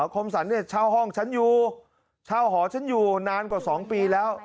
คมสรรเนี่ยเช่าห้องฉันอยู่เช่าหอฉันอยู่นานกว่า๒ปีแล้ว